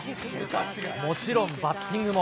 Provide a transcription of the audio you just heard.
もちろん、バッティングも。